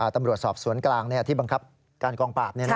ตำรวจสอบสวนกลางที่บังคับการกองปราบ